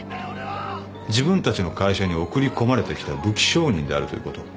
自分たちの会社に送り込まれてきた武器商人であるということを。